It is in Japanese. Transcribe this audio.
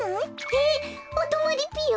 えっおとまりぴよ？